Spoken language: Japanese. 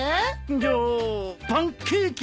じゃあパンケーキで！